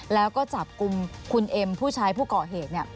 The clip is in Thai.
แล้วก็จับกุมคุณเอ็มผู้ชายผู้เกาะเหตุเนี่ย